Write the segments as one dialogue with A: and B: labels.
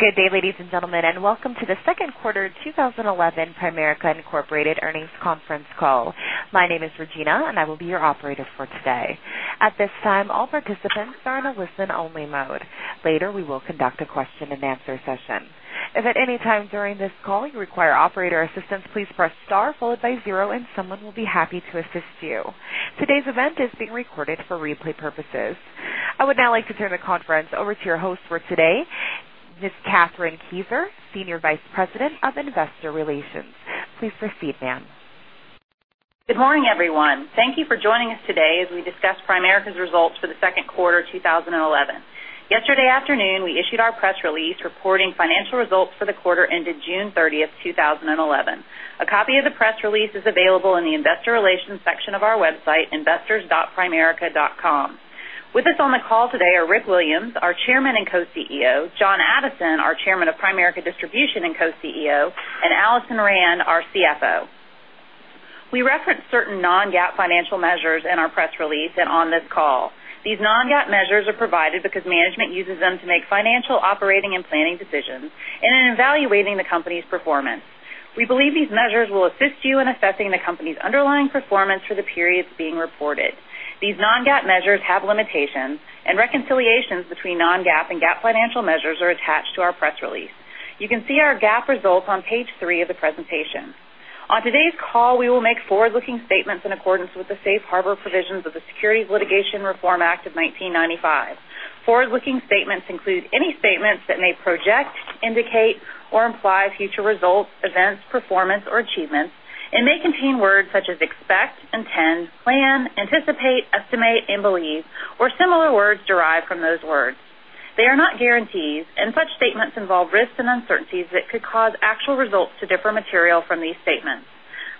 A: Good day, ladies and gentlemen, welcome to the second quarter 2011 Primerica Incorporated earnings conference call. My name is Regina, I will be your operator for today. At this time, all participants are in a listen-only mode. Later, we will conduct a question-and-answer session. If at any time during this call you require operator assistance, please press star followed by zero, and someone will be happy to assist you. Today's event is being recorded for replay purposes. I would now like to turn the conference over to your host for today, Ms. Kathryn Kientz, Senior Vice President of Investor Relations. Please proceed, ma'am.
B: Good morning, everyone. Thank you for joining us today as we discuss Primerica's results for the second quarter 2011. Yesterday afternoon, we issued our press release reporting financial results for the quarter ended June 30th, 2011. A copy of the press release is available in the investor relations section of our website, investors.primerica.com. With us on the call today are Rick Williams, our Chairman and Co-CEO, John Addison, our Chairman of Primerica Distribution and Co-CEO, Alison Rand, our CFO. We reference certain non-GAAP financial measures in our press release and on this call. These non-GAAP measures are provided because management uses them to make financial operating and planning decisions and in evaluating the company's performance. We believe these measures will assist you in assessing the company's underlying performance for the periods being reported. These non-GAAP measures have limitations, reconciliations between non-GAAP and GAAP financial measures are attached to our press release. You can see our GAAP results on page three of the presentation. On today's call, we will make forward-looking statements in accordance with the safe harbor provisions of the Private Securities Litigation Reform Act of 1995. Forward-looking statements include any statements that may project, indicate, or imply future results, events, performance, or achievements and may contain words such as expect, intend, plan, anticipate, estimate, and believe or similar words derived from those words. They are not guarantees, such statements involve risks and uncertainties that could cause actual results to differ material from these statements.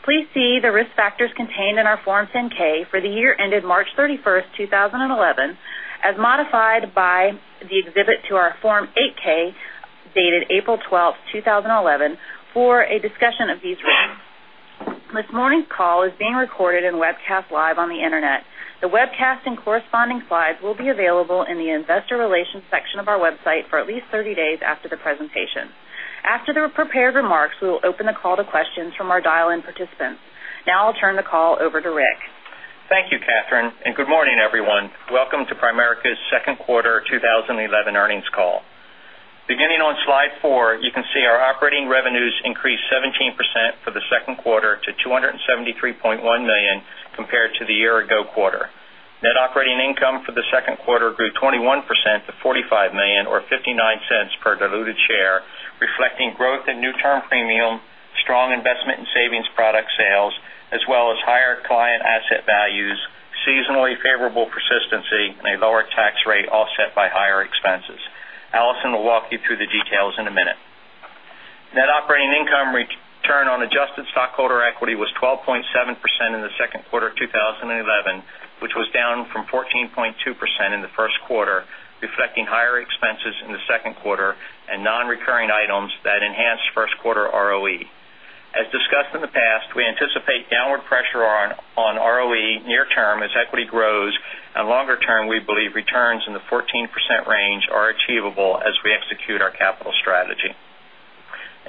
B: Please see the risk factors contained in our Form 10-K for the year ended March 31st, 2011, as modified by the exhibit to our Form 8-K, dated April 12th, 2011, for a discussion of these risks. This morning's call is being recorded and webcast live on the Internet. The webcast and corresponding slides will be available in the investor relations section of our website for at least 30 days after the presentation. After the prepared remarks, we will open the call to questions from our dial-in participants. Now I'll turn the call over to Rick.
C: Thank you, Kathryn, and good morning, everyone. Welcome to Primerica's second quarter 2011 earnings call. Beginning on slide four, you can see our operating revenues increased 17% for the second quarter to $273.1 million compared to the year-ago quarter. Net operating income for the second quarter grew 21% to $45 million, or $0.59 per diluted share, reflecting growth in new term premium, strong investment and savings product sales, as well as higher client asset values, seasonally favorable persistency and a lower tax rate offset by higher expenses. Alison will walk you through the details in a minute. Net operating income return on adjusted stockholder equity was 12.7% in the second quarter of 2011, which was down from 14.2% in the first quarter, reflecting higher expenses in the second quarter and non-recurring items that enhanced first quarter ROE. As discussed in the past, we anticipate downward pressure on ROE near term as equity grows, and longer term, we believe returns in the 14% range are achievable as we execute our capital strategy.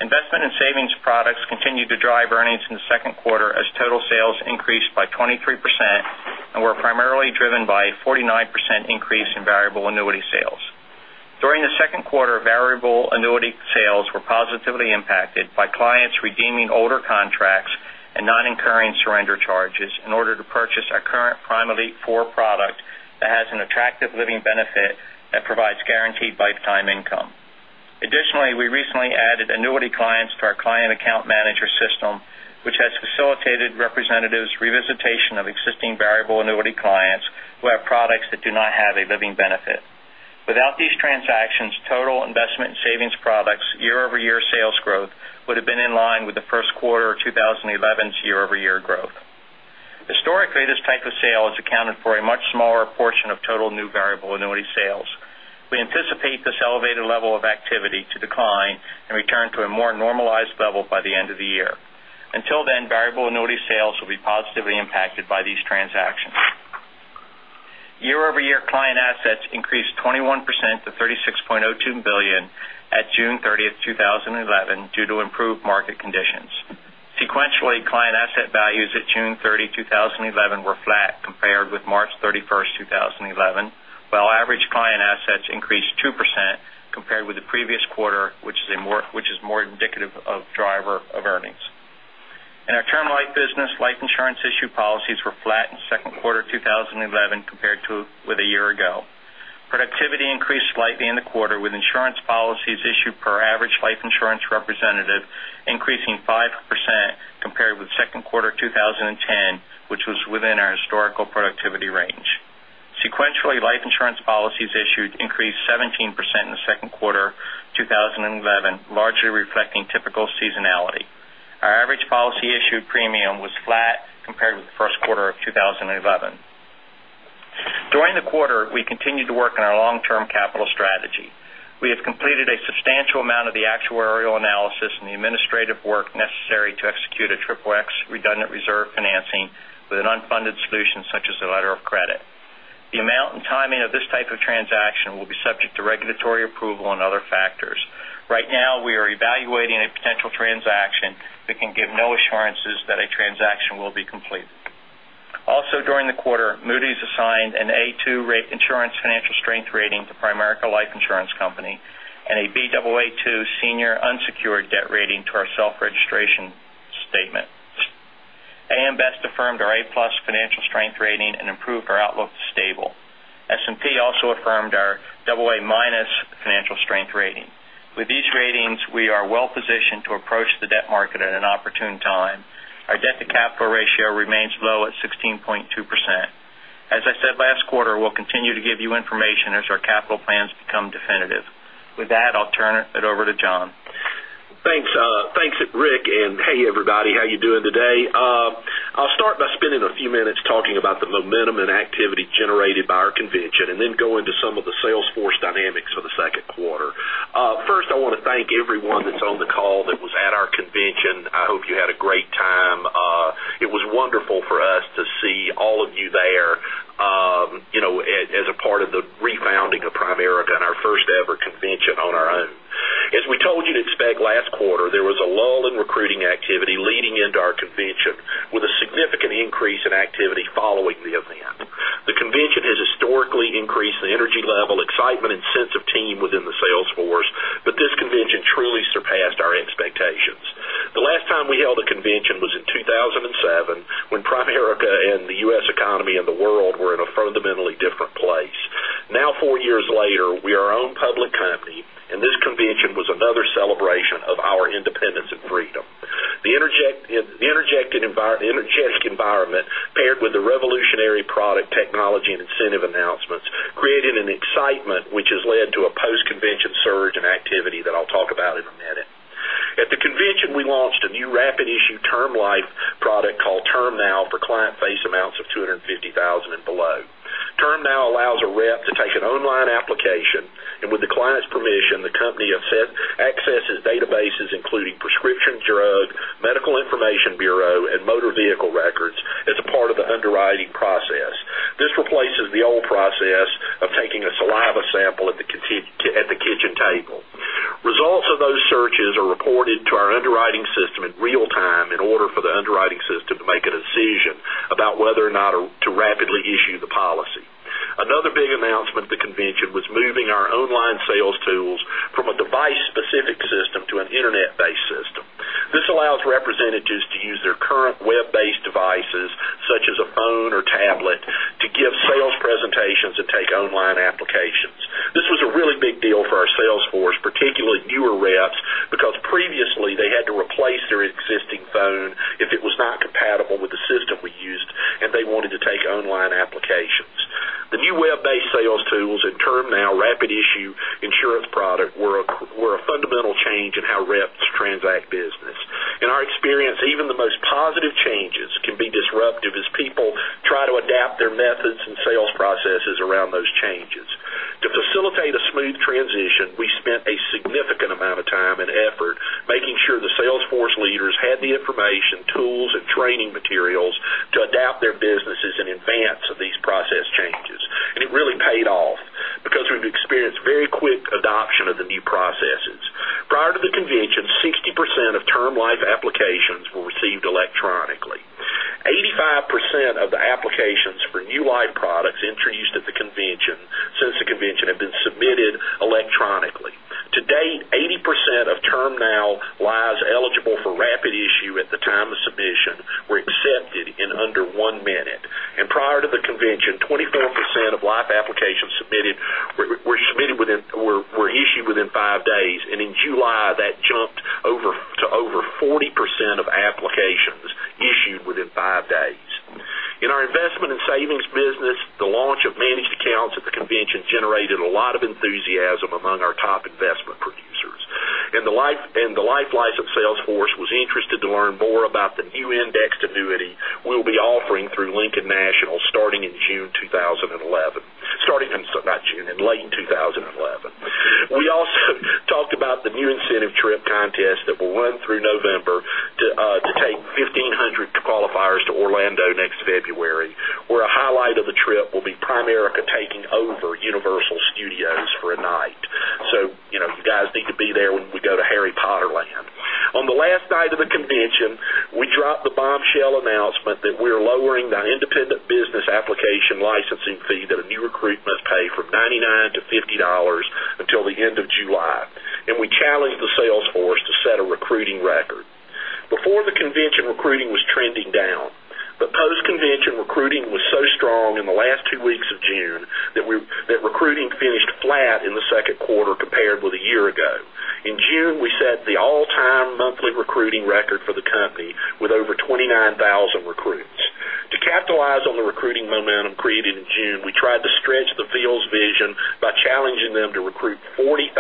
C: Investment and savings products continued to drive earnings in the second quarter as total sales increased by 23% and were primarily driven by a 49% increase in variable annuity sales. During the second quarter, variable annuity sales were positively impacted by clients redeeming older contracts and not incurring surrender charges in order to purchase our current Prime Elite IV product that has an attractive living benefit that provides guaranteed lifetime income. Additionally, we recently added annuity clients to our Client Account Manager system, which has facilitated representatives' revisitation of existing variable annuity clients who have products that do not have a living benefit. Without these transactions, total investment and savings products year-over-year sales growth would have been in line with the first quarter of 2011's year-over-year growth. Historically, this type of sale has accounted for a much smaller portion of total new variable annuity sales. We anticipate this elevated level of activity to decline and return to a more normalized level by the end of the year. Until then, variable annuity sales will be positively impacted by these transactions. Year-over-year client assets increased 21% to $36.02 billion at June 30, 2011, due to improved market conditions. Sequentially, client asset values at June 30, 2011, were flat compared with March 31, 2011, while average client assets increased 2% compared with the previous quarter, which is more indicative of driver of earnings. In our term life business, life insurance issued policies were flat in second quarter 2011 compared with a year ago. Productivity increased slightly in the quarter with insurance policies issued per average life insurance representative increasing 5% compared with second quarter 2010, which was within our historical productivity range. Sequentially, life insurance policies issued increased 17% in the second quarter 2011, largely reflecting typical seasonality. Our average policy issued premium was flat compared with the first quarter of 2011. During the quarter, we continued to work on our long-term capital strategy. We have completed a substantial amount of the actuarial analysis and the administrative work necessary to execute a Triple X redundant reserve financing with an unfunded solution such as a letter of credit. The amount and timing of this type of transaction will be subject to regulatory approval and other factors. Right now, we are evaluating a potential transaction that can give no assurances that a transaction will be completed. During the quarter, Moody's assigned an A2 insurance financial strength rating to Primerica Life Insurance Company and a Baa2 senior unsecured debt rating to our self-registration statement. AM Best affirmed our A+ financial strength rating and improved our outlook to stable. S&P also affirmed our AA- financial strength rating. With these ratings, we are well-positioned to approach the debt market at an opportune time. Our debt-to-capital ratio remains low at 16.2%. As I said last quarter, we will continue to give you information as our capital plans become definitive. With that, I will turn it over to John.
D: Thanks, Rick, and hey, everybody, how are you doing today? I will start by spending a few minutes talking about the momentum and activity generated by our convention and then go into some of the sales force dynamics for the second quarter. I want to thank everyone that is on the call that was at our convention. I hope you had a great time. It was wonderful for us to see all of you there as a part of the refounding of Primerica and our first-ever convention on our own. We told you to expect last quarter, there was a lull in recruiting activity leading into our convention with a significant increase in activity following the event. The convention has historically increased the energy level, excitement, and sense of team within the sales force, this convention truly surpassed our expectations. The last time we held a convention was in 2007 when Primerica and the U.S. economy and the world were in a fundamentally different place. Four years later, we are our own public company, this convention was another celebration of our independence and freedom. The energetic environment, paired with the revolutionary product technology and incentive announcements, created an excitement which has led to a 85% of the applications for new life products introduced since the convention have been submitted electronically. To date, 80% of TermNow lives eligible for rapid issue at the time of submission were accepted in under one minute. Prior to the convention, 24% of life applications submitted were issued within five days, and in July, that jumped to over 40% of applications issued within five days. In our investment and savings business, the launch of managed accounts at the convention generated a lot of enthusiasm among our top investment producers. The life license sales force was interested to learn more about the new indexed annuity we'll be offering through Lincoln National starting in late 2011. We also talked about the new incentive trip contest that will run through November to take 1,500 qualifiers to Orlando next February, where a highlight of the trip will be Primerica taking over Universal Studios for a night. You guys need to be there when we go to Harry Potter Land. On the last night of the convention, we dropped the bombshell announcement that we are lowering the independent business application licensing fee that a new recruit must pay from $99 to $50 until the end of July, and we challenged the sales force to set a recruiting record. Before the convention, recruiting was trending down, but post-convention recruiting was so strong in the last two weeks of June that recruiting finished flat in the second quarter compared with a year ago. In June, we set the all-time monthly recruiting record for the company with over 29,000 recruits. To capitalize on the recruiting momentum created in June, we tried to stretch the field's vision by challenging them to recruit 40,000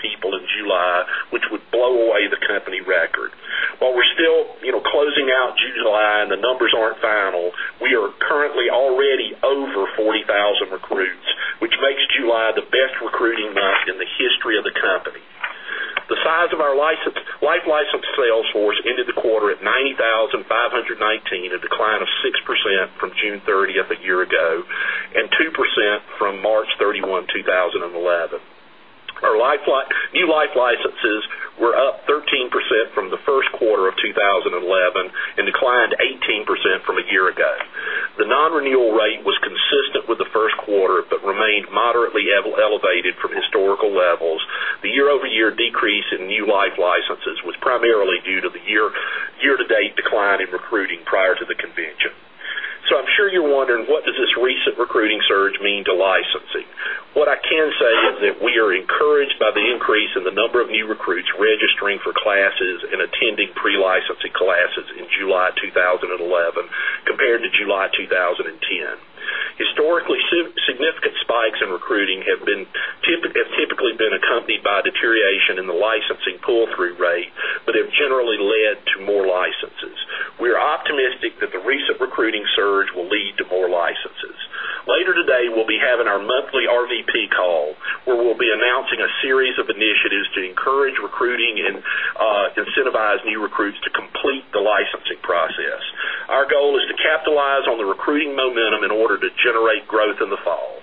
D: people in July, which would blow away the company record. While we're still closing out July and the numbers aren't final, we are currently already over 40,000 recruits which makes July the best recruiting month in the history of the company. The size of our life-licensed sales force into the quarter at 90,519, a decline of 6% from June 30th a year ago, and 2% from March 31, 2011. Our new life licenses were up 13% from the first quarter of 2011 and declined 18% from a year ago. The non-renewal rate was consistent with the first quarter but remained moderately elevated from historical levels. The year-over-year decrease in new life licenses was primarily due to the year-to-date decline in recruiting prior to the convention. I'm sure you're wondering, what does this recent recruiting surge mean to licensing? What I can say is that we are encouraged by the increase in the number of new recruits registering for classes and attending pre-licensing classes in July 2011 compared to July 2010. Historically, significant spikes in recruiting have typically been accompanied by deterioration in the licensing pull-through rate but have generally led to more licenses. We are optimistic that the recent recruiting surge will lead to more licenses. Later today, we'll be having our monthly RVP call, where we'll be announcing a series of initiatives to encourage recruiting and incentivize new recruits to complete the licensing process. Our goal is to capitalize on the recruiting momentum in order to generate growth in the fall.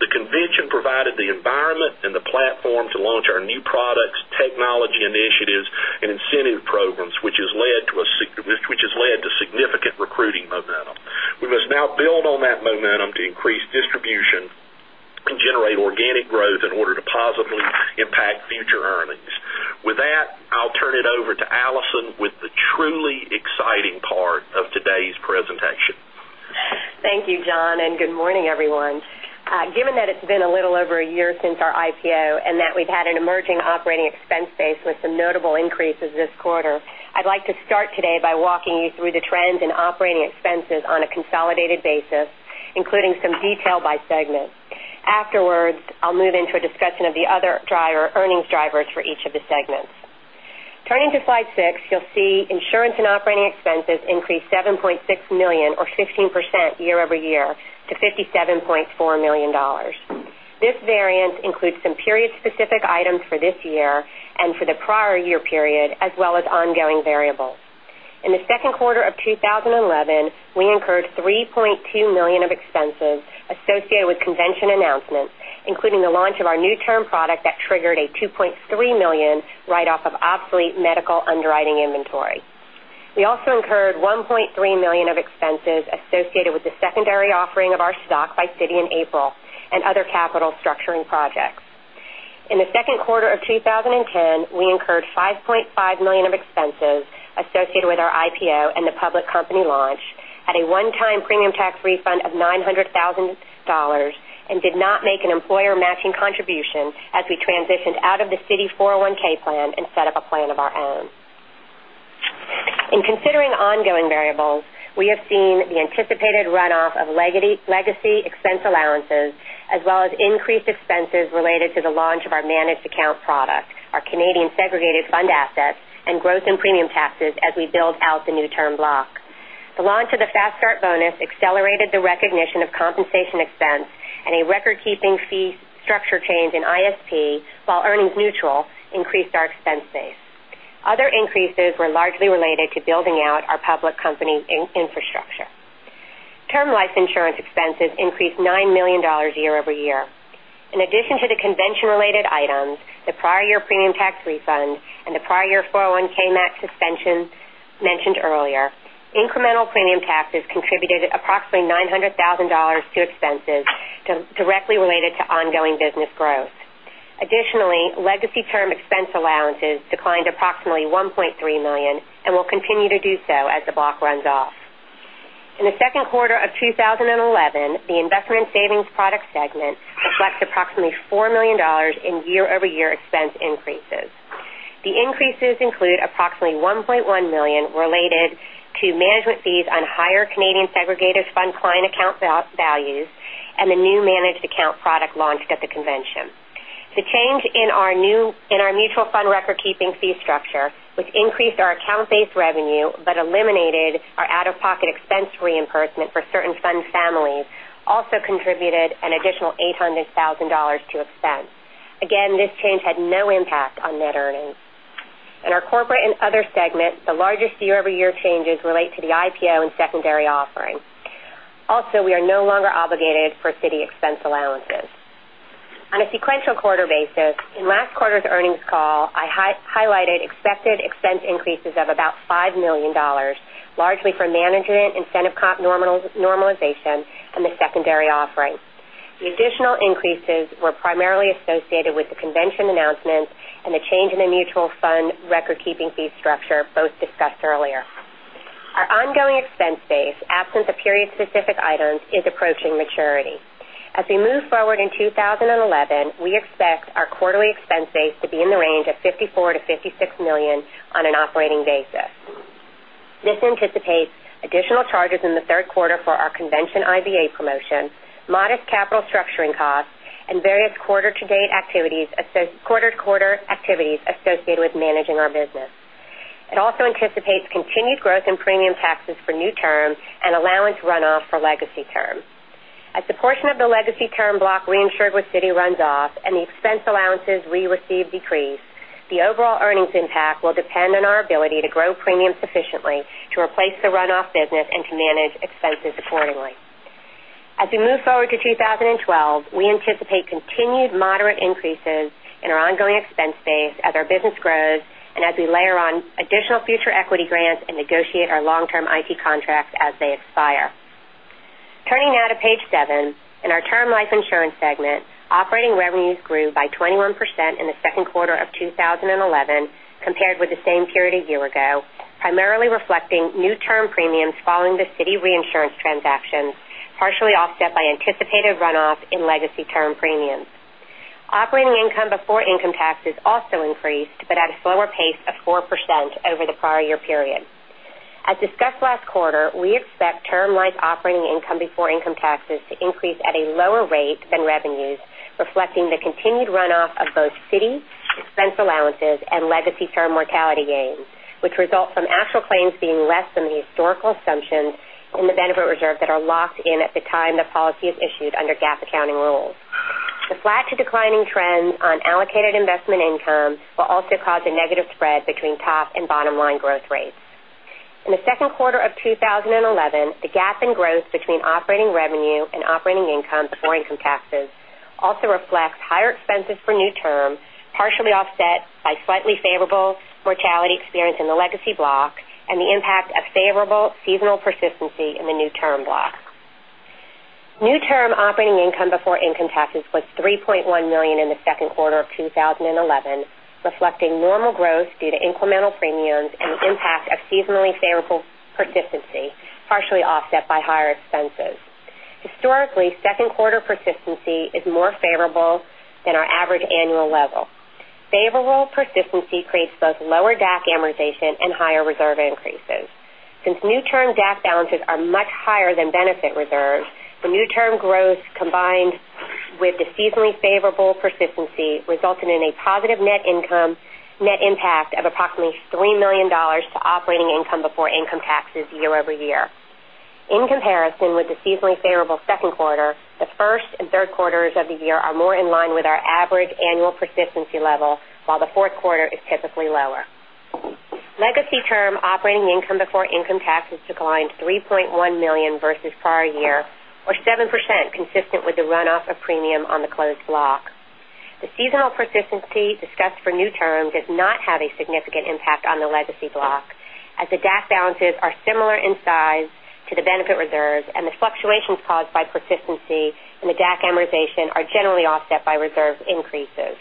D: The convention provided the environment and the platform to launch our new products, technology initiatives, and incentive programs, which has led to significant recruiting momentum. We must now build on that momentum to increase distribution and generate organic growth in order to positively impact future earnings. With that, I'll turn it over to Alison with the truly exciting part of today's presentation.
E: Thank you, John, and good morning, everyone. Given that it's been a little over a year since our IPO and that we've had an emerging operating expense base with some notable increases this quarter, I'd like to start today by walking you through the trends in operating expenses on a consolidated basis, including some detail by segment. Afterwards, I'll move into a discussion of the other earnings drivers for each of the segments. Turning to slide six, you'll see insurance and operating expenses increased $7.6 million or 15% year-over-year to $57.4 million. This variance includes some period-specific items for this year and for the prior year period, as well as ongoing variables. In the second quarter of 2011, we incurred $3.2 million of expenses associated with convention announcements, including the launch of our new term product that triggered a $2.3 million write-off of obsolete medical underwriting inventory. We also incurred $1.3 million of expenses associated with the secondary offering of our stock by Citi in April and other capital structuring projects. In the second quarter of 2010, we incurred $5.5 million of expenses associated with our IPO and the public company launch at a one-time premium tax refund of $900,000 and did not make an employer matching contribution as we transitioned out of the Citi 401 plan and set up a plan of our own. In considering ongoing variables, we have seen the anticipated runoff of legacy expense allowances, as well as increased expenses related to the launch of our managed account product, our Canadian segregated fund assets, and growth in premium taxes as we build out the new term block. The launch of the Fast Start bonus accelerated the recognition of compensation expense and a record-keeping fee structure change in ISP, while earnings neutral increased our expense base. Other increases were largely related to building out our public company infrastructure. Term life insurance expenses increased $9 million year-over-year. In addition to the convention-related items, the prior year premium tax refund, and the prior year 401 match suspension mentioned earlier, incremental premium taxes contributed approximately $900,000 to expenses directly related to ongoing business growth. Additionally, legacy term expense allowances declined approximately $1.3 million and will continue to do so as the block runs off. In the second quarter of 2011, the investment savings product segment reflects approximately $4 million in year-over-year expense increases. The increases include approximately $1.1 million related to management fees on higher Canadian segregated fund client account values and the new managed account product launched at the convention. The change in our mutual fund record-keeping fee structure, which increased our account-based revenue but eliminated our out-of-pocket expense reimbursement for certain fund families, also contributed an additional $800,000 to expense. Again, this change had no impact on net earnings. In our corporate and other segments, the largest year-over-year changes relate to the IPO and secondary offerings. Also, we are no longer obligated for Citi expense allowances. On a sequential quarter basis, in last quarter's earnings call, I highlighted expected expense increases of about $5 million, largely from management incentive normalization and the secondary offering. The additional increases were primarily associated with the convention announcements and the change in the mutual fund record-keeping fee structure, both discussed earlier. Our ongoing expense base, absent the period-specific items, is approaching maturity. As we move forward in 2011, we expect our quarterly expense base to be in the range of $54 million-$56 million on an operating basis. This anticipates additional charges in the third quarter for our convention IBA promotion, modest capital structuring costs, and various quarter-to-quarter activities associated with managing our business. It also anticipates continued growth in premium taxes for new term and allowance runoff for legacy term. As a portion of the legacy term block reinsured with Citi runs off and the expense allowances we receive decrease, the overall earnings impact will depend on our ability to grow premiums sufficiently to replace the runoff business and to manage expenses accordingly. As we move forward to 2012, we anticipate continued moderate increases in our ongoing expense base as our business grows and as we layer on additional future equity grants and negotiate our long-term IT contracts as they expire. Turning now to page seven. In our term life insurance segment, operating revenues grew by 21% in the second quarter of 2011 compared with the same period a year ago, primarily reflecting new term premiums following the Citi reinsurance transaction, partially offset by anticipated runoff in legacy term premiums. Operating income before income taxes also increased but at a slower pace of 4% over the prior year period. As discussed last quarter, we expect term life operating income before income taxes to increase at a lower rate than revenues, reflecting the continued runoff of both Citi expense allowances and legacy term mortality gains, which result from actual claims being less than the historical assumptions in the benefit reserve that are locked in at the time the policy is issued under GAAP accounting rules. The flat to declining trends on allocated investment income will also cause a negative spread between top and bottom-line growth rates. In the second quarter of 2011, the gap in growth between operating revenue and operating income before income taxes also reflects higher expenses for new term, partially offset by slightly favorable mortality experience in the legacy block and the impact of favorable seasonal persistency in the new term block. New term operating income before income taxes was $3.1 million in the second quarter of 2011, reflecting normal growth due to incremental premiums and the impact of seasonally favorable persistency, partially offset by higher expenses. Historically, second quarter persistency is more favorable than our average annual level. Favorable persistency creates both lower DAC amortization and higher reserve increases. Since new term DAC balances are much higher than benefit reserves, the new term growth, combined with the seasonally favorable persistency, resulted in a positive net income net impact of approximately $3 million to operating income before income taxes year-over-year. In comparison with the seasonally favorable second quarter, the first and third quarters of the year are more in line with our average annual persistency level, while the fourth quarter is typically lower. Legacy term operating income before income taxes declined to $3.1 million versus prior year, or 7%, consistent with the runoff of premium on the closed block. The seasonal persistency discussed for new term does not have a significant impact on the legacy block, as the DAC balances are similar in size to the benefit reserves and the fluctuations caused by persistency in the DAC amortization are generally offset by reserve increases.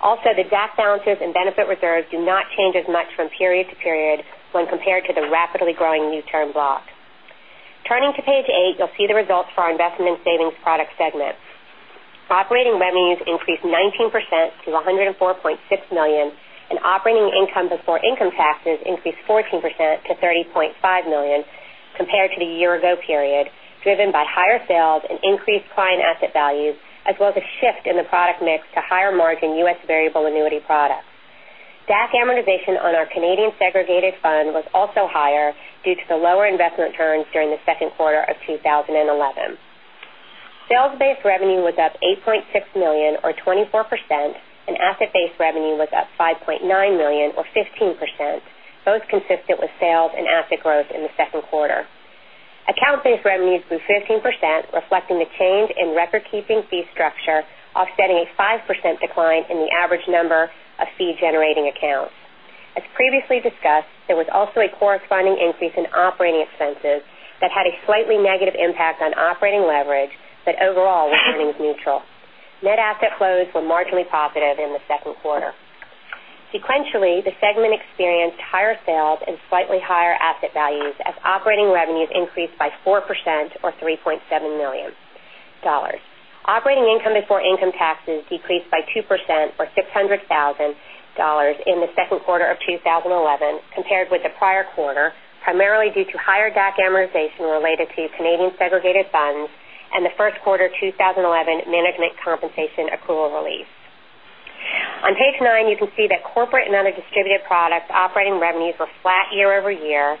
E: Also, the DAC balances and benefit reserves do not change as much from period to period when compared to the rapidly growing new term block. Turning to page eight, you'll see the results for our investment savings product segment. Operating revenues increased 19% to $104.6 million, and operating income before income taxes increased 14% to $30.5 million compared to the year ago period, driven by higher sales and increased client asset values, as well as a shift in the product mix to higher-margin U.S. variable annuity products. DAC amortization on our Canadian segregated fund was also higher due to the lower investment returns during the second quarter of 2011. Sales-based revenue was up $8.6 million, or 24%, and asset-based revenue was up $5.9 million or 15%, both consistent with sales and asset growth in the second quarter. Account-based revenues grew 15%, reflecting the change in record-keeping fee structure, offsetting a 5% decline in the average number of fee-generating accounts. As previously discussed, there was also a corresponding increase in operating expenses that had a slightly negative impact on operating leverage, but overall was earnings neutral. Net asset flows were marginally positive in the second quarter. Sequentially, the segment experienced higher sales and slightly higher asset values as operating revenues increased by 4% or $3.7 million. Operating income before income taxes decreased by 2% or $600,000 in the second quarter of 2011 compared with the prior quarter, primarily due to higher DAC amortization related to Canadian segregated funds and the first quarter 2011 management compensation accrual release. On page nine, you can see that corporate and other distributed products operating revenues were flat year-over-year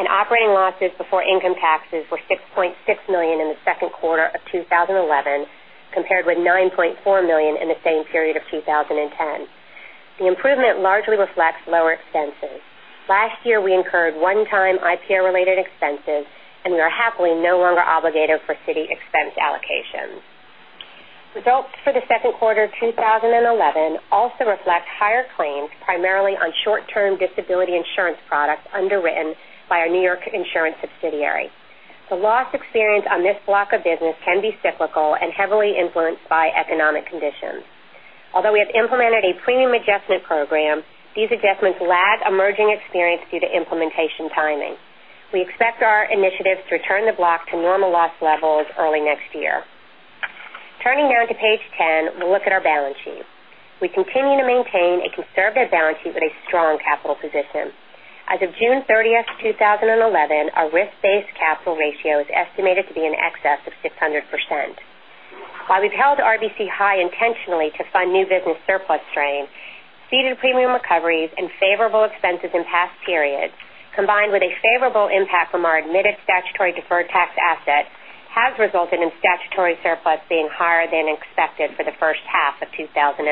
E: and operating losses before income taxes were $6.6 million in the second quarter of 2011, compared with $9.4 million in the same period of 2010. The improvement largely reflects lower expenses. Last year, we incurred one-time IPR-related expenses, and we are happily no longer obligated for Citi expense allocations. Results for the second quarter of 2011 also reflect higher claims, primarily on short-term disability insurance products underwritten by our N.Y. insurance subsidiary. The loss experience on this block of business can be cyclical and heavily influenced by economic conditions. Although we have implemented a premium adjustment program, these adjustments lag emerging experience due to implementation timing. We expect our initiatives to return the block to normal loss levels early next year. Turning now to page 10, we'll look at our balance sheet. We continue to maintain a conservative balance sheet with a strong capital position. As of June 30th, 2011, our risk-based capital ratio is estimated to be in excess of 600%. While we've held RBC high intentionally to fund new business surplus strain, ceded premium recoveries and favorable expenses in past periods, combined with a favorable impact from our admitted statutory deferred tax asset, has resulted in statutory surplus being higher than expected for the first half of 2011.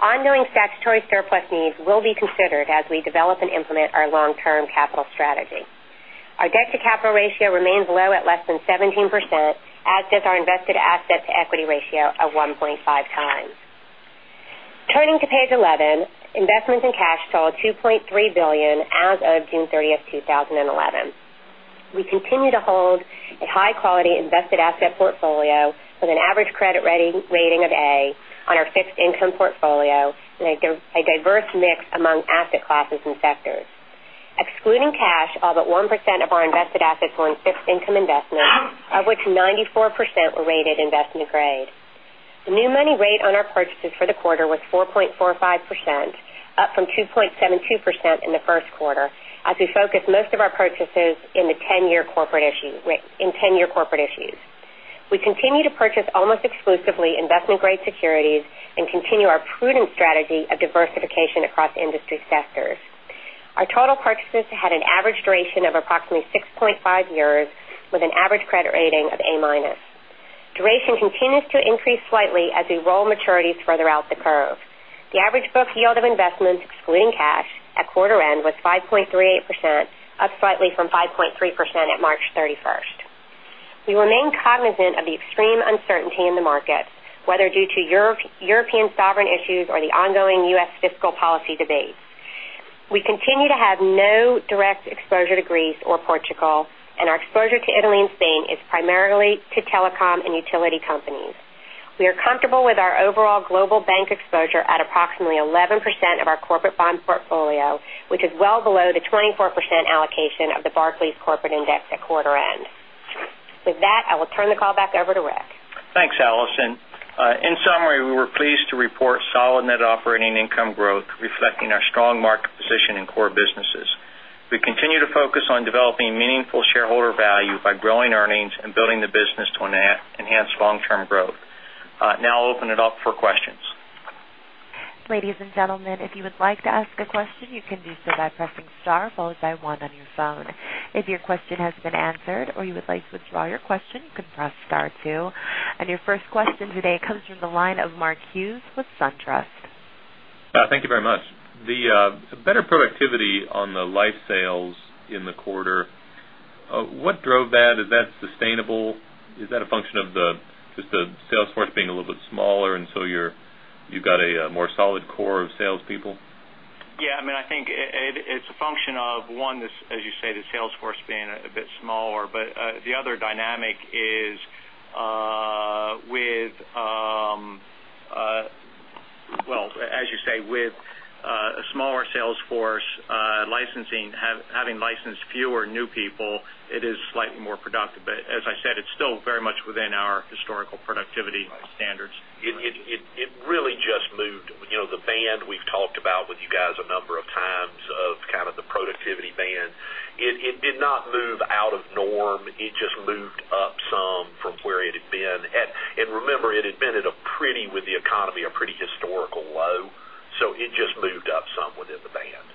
E: Ongoing statutory surplus needs will be considered as we develop and implement our long-term capital strategy. Our debt-to-capital ratio remains low at less than 17%, as does our invested asset-to-equity ratio of 1.5 times. Turning to page 11, investments in cash total $2.3 billion as of June 30th, 2011. We continue to hold a high-quality invested asset portfolio with an average credit rating of A on our fixed income portfolio and a diverse mix among asset classes and sectors. Excluding cash, all but 1% of our invested assets were in fixed income investments, of which 94% were rated investment grade. The new money rate on our purchases for the quarter was 4.45%, up from 2.72% in the first quarter, as we focused most of our purchases in 10-year corporate issues. We continue to purchase almost exclusively investment-grade securities and continue our prudent strategy of diversification across industry sectors. Our total purchases had an average duration of approximately 6.5 years, with an average credit rating of A-minus. Duration continues to increase slightly as we roll maturities further out the curve. The average book yield of investments, excluding cash, at quarter-end was 5.38%, up slightly from 5.3% at March 31st. We remain cognizant of the extreme uncertainty in the market, whether due to European sovereign issues or the ongoing U.S. fiscal policy debate. We continue to have no direct exposure to Greece or Portugal, and our exposure to Italy and Spain is primarily to telecom and utility companies. We are comfortable with our overall global bank exposure at approximately 11% of our corporate bond portfolio, which is well below the 24% allocation of the Barclays Corporate Index at quarter-end. With that, I will turn the call back over to Rick.
C: Thanks, Alison. In summary, we were pleased to report solid net operating income growth reflecting our strong market position in core businesses. We continue to focus on developing meaningful shareholder value by growing earnings and building the business to enhance long-term growth. Now I'll open it up for questions.
A: Ladies and gentlemen, if you would like to ask a question, you can do so by pressing star followed by one on your phone. If your question has been answered or you would like to withdraw your question, you can press star two. Your first question today comes from the line of Mark Hughes with SunTrust.
F: Thank you very much. The better productivity on the life sales in the quarter, what drove that? Is that sustainable? Is that a function of just the sales force being a little bit smaller, you've got a more solid core of salespeople?
C: Yeah. I think it's a function of, one, as you say, the sales force being a bit smaller. The other dynamic is with, as you say, with a smaller sales force, having licensed fewer new people, it is slightly more productive. As I said, it's still very much within our historical productivity standards.
D: It really just moved. The band we've talked about with you guys a number of times, of kind of the productivity band. It did not move out of norm. It just moved up some from where it had been. Remember, it had been at a pretty, with the economy, a pretty historical low. It just moved up some within the band.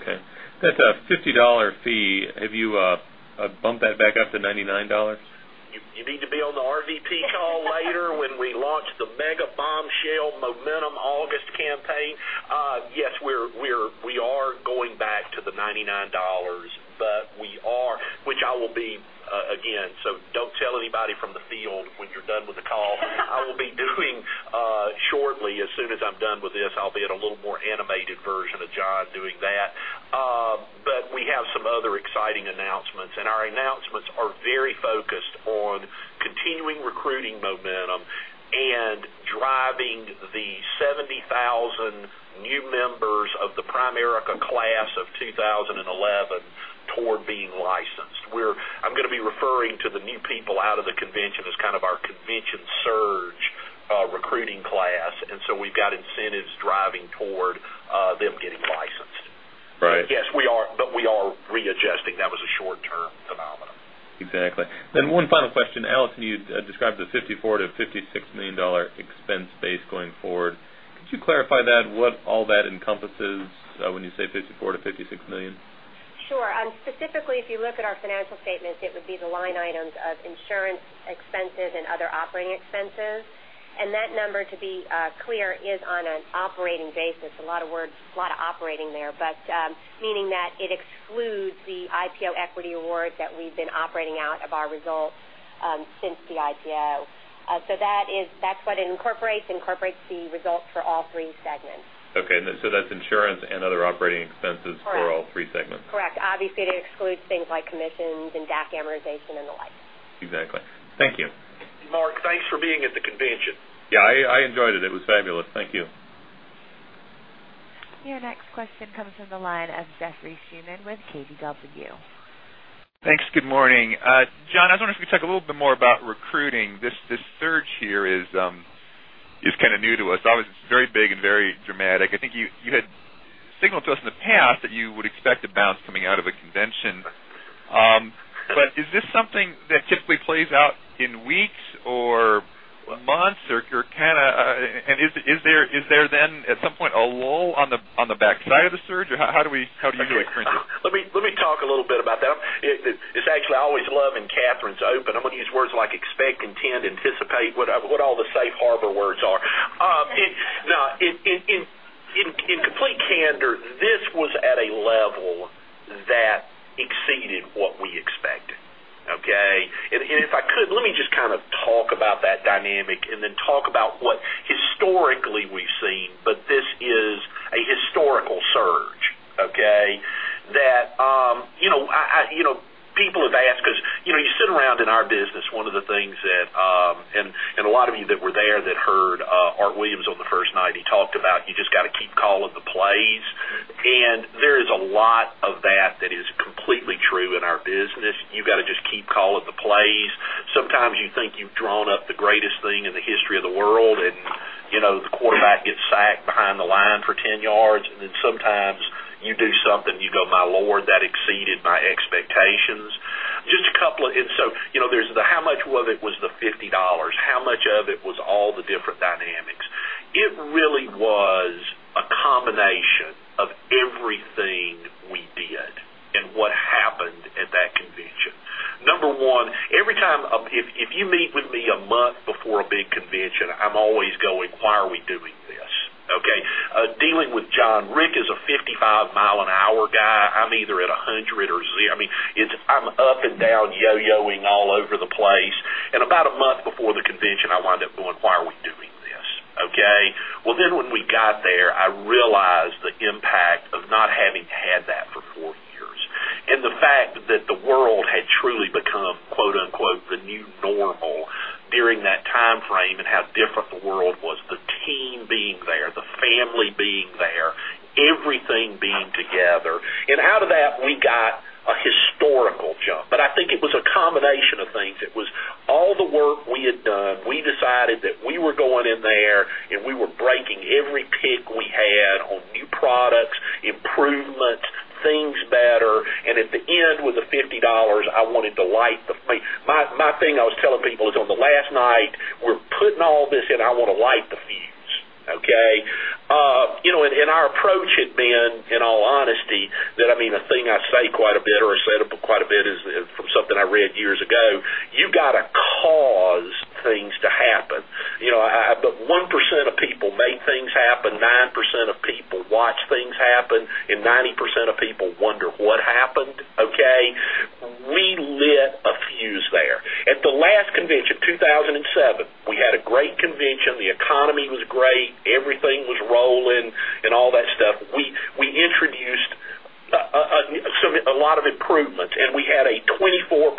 F: Okay. That $50 fee, have you bumped that back up to $99?
D: You need to be on the RVP call later when we launch the mega bombshell momentum August campaign. Yes, we are going back to the $99. Which I will be, again, don't tell anybody from the field when you're done with the call. I will be doing shortly, as soon as I'm done with this, I'll be in a little more animated version of John doing that. We have some other exciting announcements, and our announcements are very focused on continuing recruiting momentum and driving the 70,000 new members of the Primerica Class of 2011 toward being licensed. I'm going to be referring to the new people out of the convention as kind of our convention surge recruiting class. We've got incentives driving toward them getting licensed.
F: Right.
D: Yes, we are. We are readjusting. That was a short-term phenomenon.
F: Exactly. One final question. Alison, you described the $54 million-$56 million expense base going forward. Could you clarify that, what all that encompasses when you say $54 million-$56 million?
E: Sure. Specifically, if you look at our financial statements, it would be the line items of insurance expenses and other operating expenses. That number, to be clear, is on an operating basis. A lot of words, a lot of operating there. Meaning that it excludes the IPO equity award that we've been operating out of our results since the IPO. That's what it incorporates, the results for all three segments.
F: Okay. That's insurance and other operating expenses for all three segments.
E: Correct. Obviously, it excludes things like commissions and DAC amortization and the like.
F: Exactly. Thank you.
D: Mark, thanks for being at the convention.
F: Yeah, I enjoyed it. It was fabulous. Thank you.
A: Your next question comes from the line of Jeff Schuman with KBW.
G: Thanks. Good morning. John, I was wondering if you could talk a little bit more about recruiting. This surge here is kind of new to us. Obviously, it's very big and very dramatic. I think you had signaled to us in the past that you would expect a bounce coming out of a convention. Is this something that typically plays out in weeks or months? Is there then, at some point, a lull on the back side of the surge? Or how do you view it?
D: Let me talk a little bit about that. It's actually always love in Kathryn's open. I'm going to use words like expect, intend, anticipate, what all the safe harbor words are. In complete candor, this was at a level that exceeded what we expected. Okay? If I could, let me just talk about that dynamic and then talk about what historically we've seen, but this is a historical surge. Okay? People have asked us, you sit around in our business, one of the things that, and a lot of you that were there that heard Art Williams on the first night, he talked about you just got to keep calling the plays. There is a lot of that that is completely true in our business. You got to just keep calling the plays. Sometimes you think you've drawn up the greatest thing in the history of the world, and the quarterback gets sacked behind the line for 10 yards. Then sometimes you do something, you go, "My Lord, that exceeded my expectations." So there's the how much of it was the $50? How much of it was all the different dynamics? It really was a combination of everything we did and what happened at that convention. Number one, if you meet with me a month before a big convention, I'm always going, "Why are we doing this?" Okay? Dealing with John, Rick is a 55 mile an hour guy. I'm either at 100 or zero. I'm up and down, yo-yoing all over the place. About a month before the convention, I wind up going, "Why are we doing this?" Okay? When we got there, I realized the impact of not having had that for four years. The fact that the world had truly become, quote-unquote, "the new normal" during that time frame and how different the world was, the team being there, the family being there, everything being together. Out of that, we got a historical jump. I think it was a combination of things. It was all the work we had done. We decided that we were going in there, and we were breaking every pick we had on new products, improvements, things better. At the end, with the $50, I wanted to light the fuse. My thing I was telling people is on the last night, we're putting all this in, I want to light the fuse. Okay? Our approach had been, in all honesty, that a thing I say quite a bit or have said quite a bit is from something I read years ago, you got to cause things to happen. 1% of people make things happen, 9% of people watch things happen, and 90% of people wonder what happened. Okay. We lit a fuse there. At the last convention, 2007, we had a great convention. The economy was great. Everything was rolling and all that stuff. We introduced a lot of improvements, and we had a 24%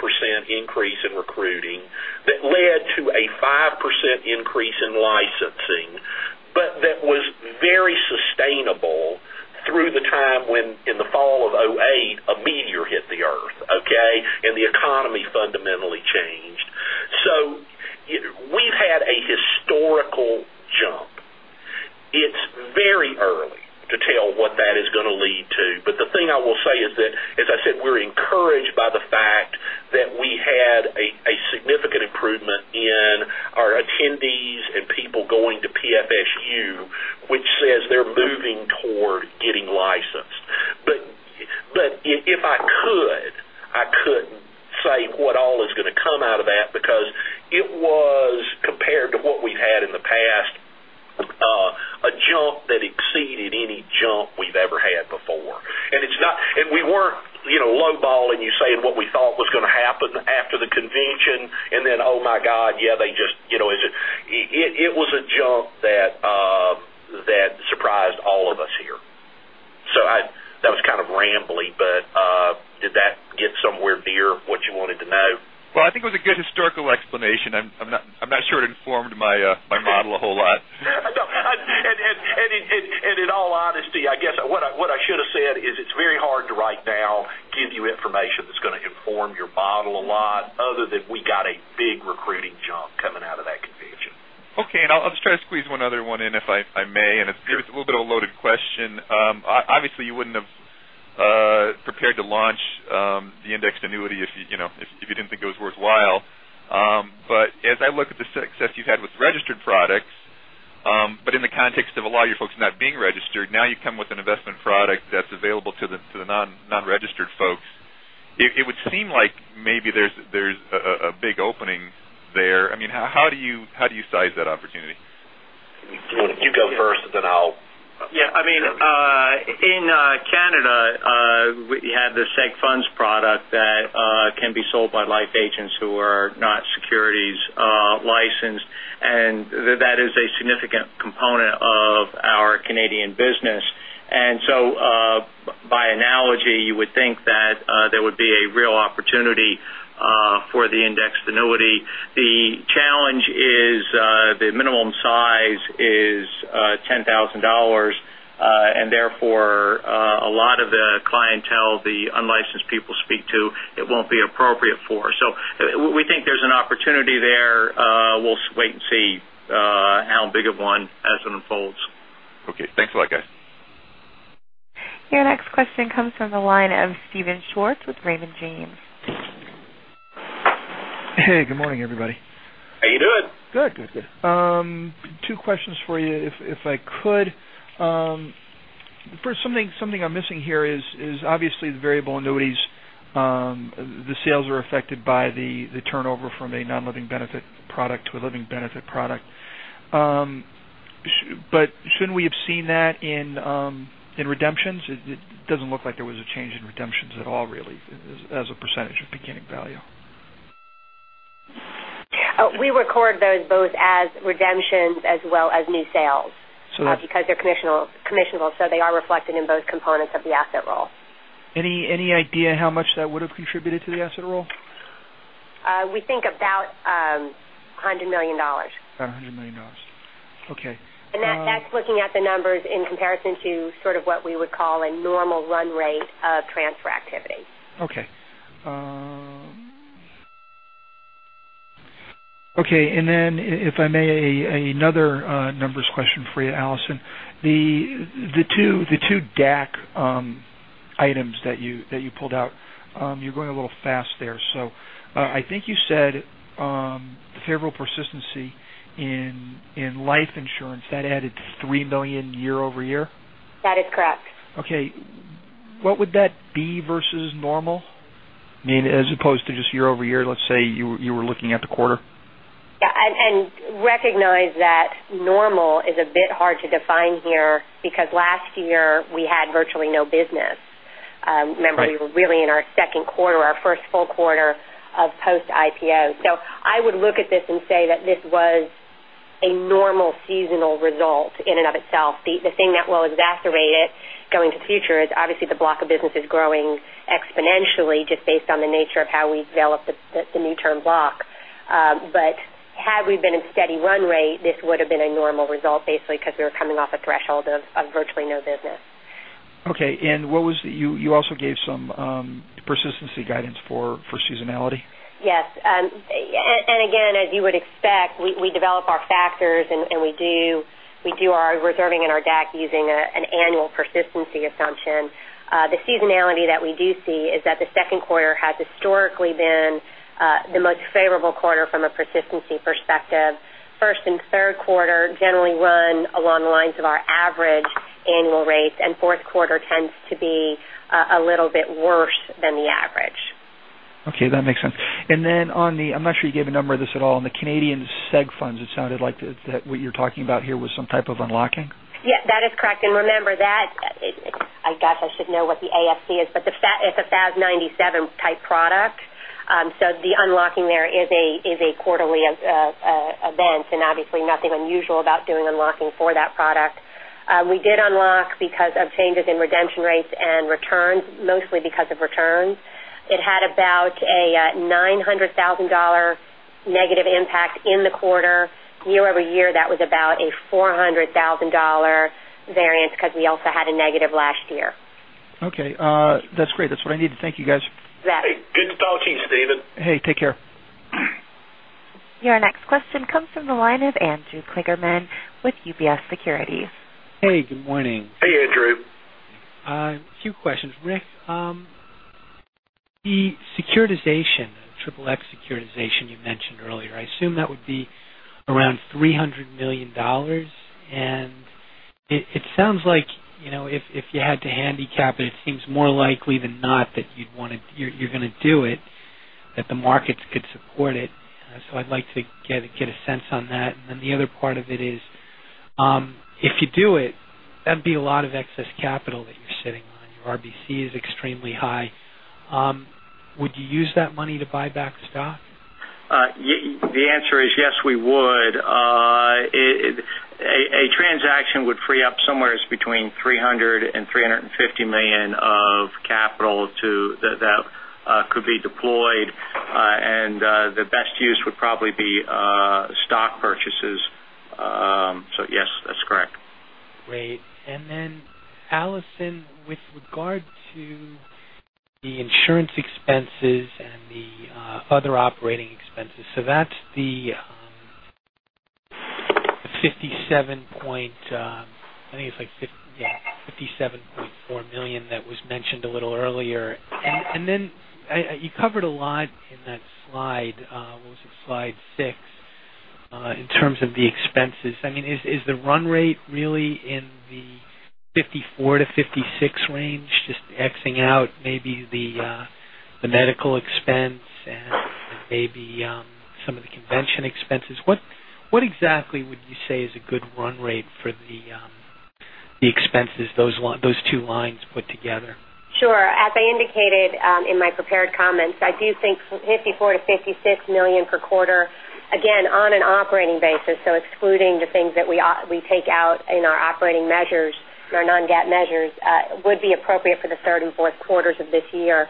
D: increase in recruiting that led to a 5% increase in licensing. That was very sustainable through the time when in the fall of 2008, a meteor hit the Earth, okay. The economy fundamentally changed. We've had a historical jump. It's very early to tell what that is going to lead to. The thing I will say is that, as I said, we're encouraged by the fact that we had a significant improvement in our attendees and people going to PFSU, which says they're moving toward getting licensed. If I could, I couldn't say what all is going to come out of that because it was compared to what we've had in the past, a jump that exceeded any jump we've ever had before. We weren't lowballing you, saying what we thought was going to happen after the convention, and then, oh, my God, yeah. It was a jump that surprised all of us here. That was kind of rambly, but did that get somewhere near what you wanted to know?
G: Well, I think it was a good historical explanation. I'm not sure it informed my model a whole lot.
D: In all honesty, I guess what I should have said is it's very hard to right now give you information that's going to inform your model a lot, other than we got a big recruiting jump coming out of that convention.
G: Okay. I'll just try to squeeze one other one in, if I may. It's a little bit of a loaded question. Obviously, you wouldn't have prepared to launch the indexed annuity if you didn't think it was worthwhile. As I look at the success you had with registered products, but in the context of a lot of your folks not being registered, now you come with an investment product that's available to the non-registered folks. It would seem like maybe there's a big opening there. How do you size that opportunity?
D: You go first, then I'll-
C: Yeah. In Canada, we have the SegFunds product that can be sold by life agents who are not securities licensed, that is a significant component of our Canadian business. By analogy, you would think that there would be a real opportunity for the indexed annuity. The challenge is the minimum size is $10,000, therefore, a lot of the clientele the unlicensed people speak to, it won't be appropriate for. We think there's an opportunity there. We'll wait and see. Big of one as it unfolds.
G: Okay. Thanks a lot, guys.
A: Your next question comes from the line of Steven Schwartz with Raymond James.
H: Hey, good morning, everybody.
C: How you doing?
H: Good. Two questions for you, if I could. First, something I'm missing here is obviously the variable annuities, the sales are affected by the turnover from a non-living benefit product to a living benefit product. Shouldn't we have seen that in redemptions? It doesn't look like there was a change in redemptions at all really, as a % of beginning value.
E: We record those both as redemptions as well as new sales because they're commissionable. They are reflected in both components of the asset roll.
H: Any idea how much that would have contributed to the asset roll?
E: We think about $100 million.
H: About $100 million. Okay.
E: That's looking at the numbers in comparison to sort of what we would call a normal run rate of transfer activity.
H: Okay. If I may, another numbers question for you, Alison. The two DAC items that you pulled out, you were going a little fast there. I think you said favorable persistency in life insurance, that added $3 million year-over-year?
E: That is correct.
H: Okay. What would that be versus normal? I mean, as opposed to just year-over-year, let's say you were looking at the quarter.
E: Recognize that normal is a bit hard to define here because last year we had virtually no business. Remember, we were really in our second quarter, our first full quarter of post IPO. I would look at this and say that this was a normal seasonal result in and of itself. The thing that will exacerbate it going to future is obviously the block of business is growing exponentially just based on the nature of how we develop the new term block. Had we been in steady run rate, this would have been a normal result, basically because we were coming off a threshold of virtually no business.
H: Okay. You also gave some persistency guidance for seasonality?
E: Yes. Again, as you would expect, we develop our factors and we do our reserving and our DAC using an annual persistency assumption. The seasonality that we do see is that the second quarter has historically been the most favorable quarter from a persistency perspective. First and third quarter generally run along the lines of our average annual rates, and fourth quarter tends to be a little bit worse than the average.
H: Okay, that makes sense. On the, I'm not sure you gave a number of this at all, on the Canadian seg funds, it sounded like what you're talking about here was some type of unlocking.
E: Yes, that is correct. Remember that, I guess I should know what the ASC is, but it's a FAS 97 type product. The unlocking there is a quarterly event and obviously nothing unusual about doing unlocking for that product. We did unlock because of changes in redemption rates and returns, mostly because of returns. It had about a $900,000 negative impact in the quarter. Year-over-year, that was about a $400,000 variance because we also had a negative last year.
H: Okay. That's great. That's what I need. Thank you, guys.
E: You bet.
C: Good talking to you, Steven.
H: Hey, take care.
A: Your next question comes from the line of Andrew Kligerman with UBS Securities.
I: Hey, good morning.
C: Hey, Andrew.
I: A few questions. Rick, the securitization, Regulation XXX securitization you mentioned earlier, I assume that would be around $300 million. It sounds like, if you had to handicap it seems more likely than not that you're going to do it, that the markets could support it. I'd like to get a sense on that. The other part of it is, if you do it, that'd be a lot of excess capital that you're sitting on. Your RBC is extremely high. Would you use that money to buy back stock?
C: The answer is yes, we would. A transaction would free up somewhere between $300 million and $350 million of capital that could be deployed. The best use would probably be stock purchases. Yes, that's correct.
I: Great. Alison, with regard to the insurance expenses and the other operating expenses, that's the $57.4 million that was mentioned a little earlier. You covered a lot in that slide, was it slide six, in terms of the expenses. Is the run rate really in the $54 million to $56 million range, just X-ing out maybe the medical expense and maybe some of the convention expenses. What exactly would you say is a good run rate for the expenses, those two lines put together?
E: Sure. As I indicated in my prepared comments, I do think $54 million to $56 million per quarter, again, on an operating basis, so excluding the things that we take out in our operating measures or non-GAAP measures, would be appropriate for the third and fourth quarters of this year.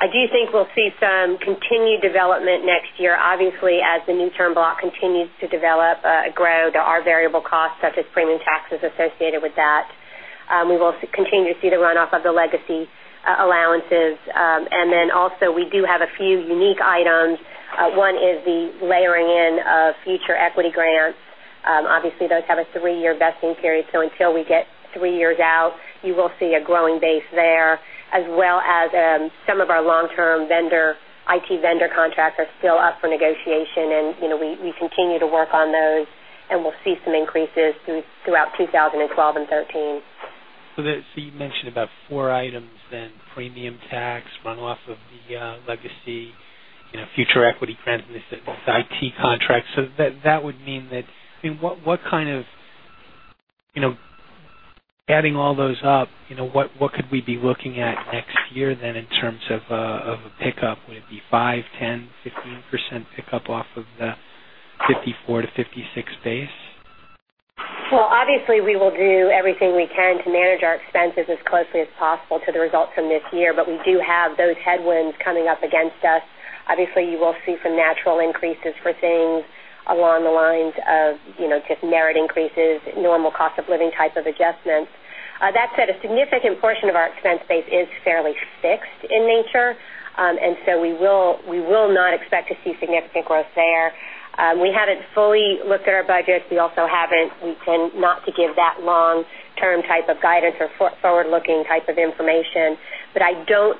E: I do think we'll see some continued development next year. Obviously, as the new term block continues to develop, grow, there are variable costs such as premium taxes associated with that. We will continue to see the runoff of the legacy allowances. Also we do have a few unique items. One is the layering in of future equity grants. Obviously, those have a three-year vesting period. Until we get three years out, you will see a growing base there, as well as some of our long-term IT vendor contracts are still up for negotiation. We continue to work on those. We'll see some increases throughout 2012 and 2013.
I: You mentioned about four items then, premium tax, runoff of the legacy, future equity grants, and you said both IT contracts. Adding all those up, what could we be looking at next year then in terms of a pickup? Would it be 5%, 10%, 15% pickup off of the $54-$56 base?
E: Well, obviously, we will do everything we can to manage our expenses as closely as possible to the results from this year. We do have those headwinds coming up against us. Obviously, you will see some natural increases for things along the lines of just merit increases, normal cost of living type of adjustments. That said, a significant portion of our expense base is fairly fixed in nature. We will not expect to see significant growth there. We haven't fully looked at our budget. We tend not to give that long-term type of guidance or forward-looking type of information.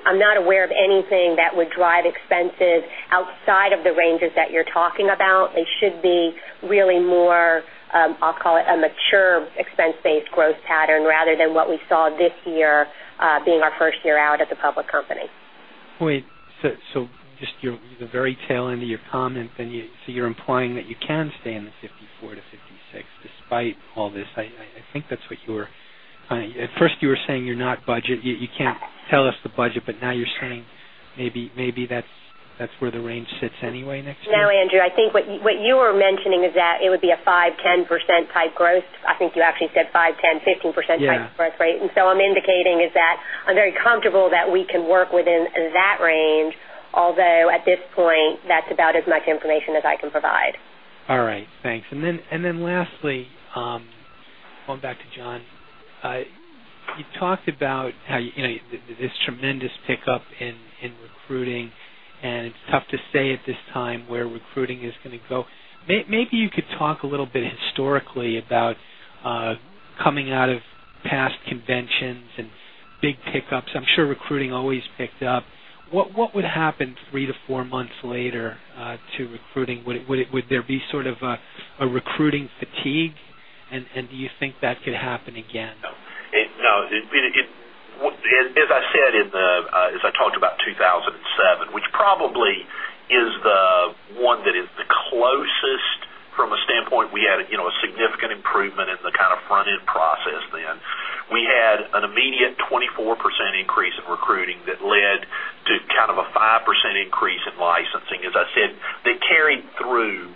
E: I'm not aware of anything that would drive expenses outside of the ranges that you're talking about. It should be really more, I'll call it, a mature expense-based growth pattern rather than what we saw this year being our first year out as a public company.
I: Wait. Just the very tail end of your comment then, you're implying that you can stay in the $54-$56 despite all this. At first, you were saying you can't tell us the budget. Now you're saying maybe that's where the range sits anyway next year.
E: No, Andrew, I think what you were mentioning is that it would be a 5%, 10% type growth. I think you actually said 5%, 10%, 15%-
I: Yeah
E: I'm indicating is that I'm very comfortable that we can work within that range, although at this point, that's about as much information as I can provide.
I: All right. Thanks. Lastly, going back to John, you talked about this tremendous pickup in recruiting, and it's tough to say at this time where recruiting is going to go. Maybe you could talk a little bit historically about coming out of past conventions and big pickups. I'm sure recruiting always picked up. What would happen three to four months later to recruiting? Would there be sort of a recruiting fatigue? Do you think that could happen again?
D: No. As I said, as I talked about 2007, which probably is the one that is the closest from a standpoint, we had a significant improvement in the kind of front-end process then. We had an immediate 24% increase in recruiting that led to kind of a 5% increase in licensing. As I said, that carried through,